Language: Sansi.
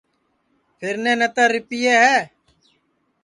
پھیرنے نتر رِپیئے ہے